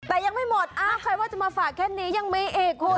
แต่ยังไม่หมดอ้าวใครว่าจะมาฝากแค่นี้ยังมีอีกคุณ